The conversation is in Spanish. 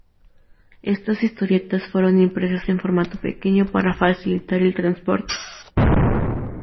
Estas historietas fueron impresas en formato pequeño para facilitar el transporte.